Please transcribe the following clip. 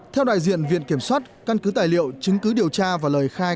theo đại diện viện kiểm soát căn cứ tài liệu chứng cứ điều tra và lời khai